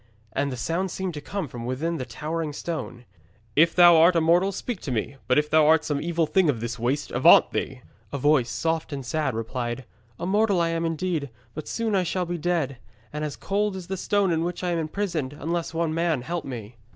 And the sound seemed to come from within the towering stone. He cried out, 'If thou art a mortal, speak to me! But if thou art some evil thing of this waste, avaunt thee!' A voice, soft and sad, replied, 'A mortal I am indeed, but soon shall I be dead, and as cold as the stone in which I am imprisoned, unless one man help me.'